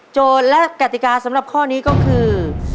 และกติกาสำหรับข้อนี้ก็คือ